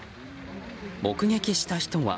目撃した人は。